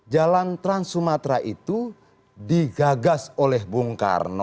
jalan trans sumatera itu digagas oleh bung karno